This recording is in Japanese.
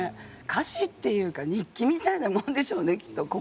歌詞っていうか日記みたいなもんでしょうねきっと。